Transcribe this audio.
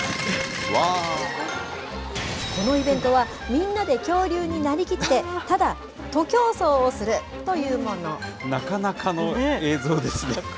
このイベントは、みんなで恐竜になりきって、なかなかの映像ですね。